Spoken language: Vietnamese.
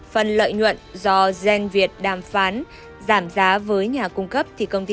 phần lợi nhuận do gen việt đàm phán giảm giá với nhà cung cấp